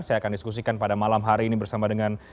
saya akan diskusikan pada malam hari ini bersama dengan